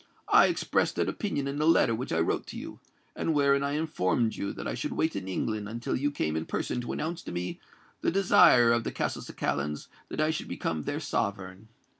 I expressed that opinion in the letter which I wrote to you, and wherein I informed you that I should wait in England until you came in person to announce to me the desire of the Castelcicalans that I should become their sovereign.